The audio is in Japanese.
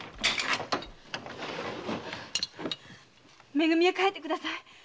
「め組」へ帰ってください。